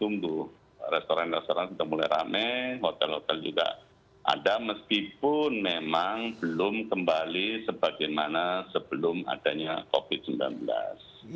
restoran restoran sudah mulai rame hotel hotel juga ada meskipun memang belum kembali sebagaimana sebelum adanya covid sembilan belas